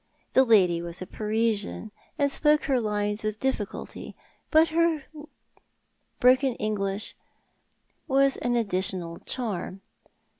The lady was a Parisian, and spoke her lines with difficulty, but her broken English was an additional charm.